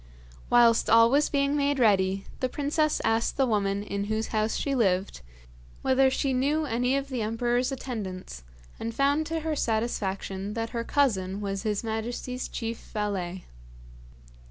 Whilst all was being made ready the princess asked the woman in whose house she lived whether she knew any of the emperor's attendants, and found to her satisfaction that her cousin was his majesty's chief valet.